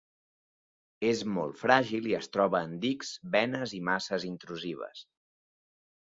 És molt fràgil i es troba en dics, venes i masses intrusives.